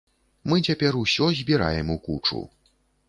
Мы цяпер усё збіраем у кучу.